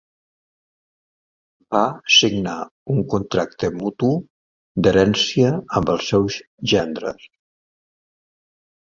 Va signar un contracte mutu d'herència amb els seus gendres.